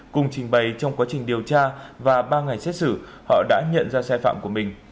cùng trình bày trong quá trình điều tra và ba ngày xét xử họ đã nhận ra sai phạm của mình